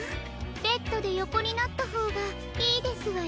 ベッドでよこになったほうがいいですわよ。